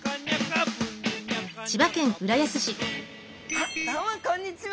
あっどうもこんにちは。